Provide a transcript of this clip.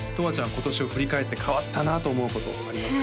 今年を振り返って変わったなと思うことありますか？